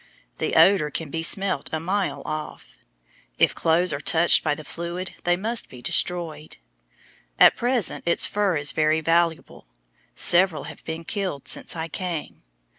The odor can be smelt a mile off. If clothes are touched by the fluid they must be destroyed. At present its fur is very valuable. Several have been killed since I came.